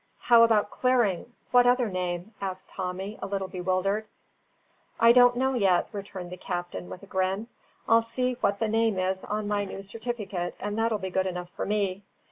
"But how about clearing? what other name?" asked Tommy, a little bewildered. "I don't know yet," returned the captain, with a grin. "I'll see what the name is on my new certificate, and that'll be good enough for me.